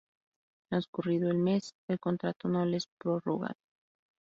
Transcurrido el mes, el contrato no le es prorrogado.